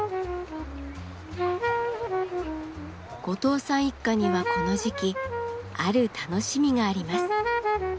後藤さん一家にはこの時期ある楽しみがあります。